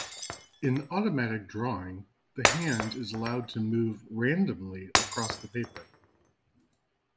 In automatic drawing, the hand is allowed to move 'randomly' across the paper.